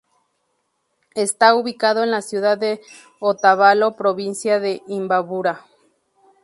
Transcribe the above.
Está ubicado en la ciudad de Otavalo, provincia de Imbabura.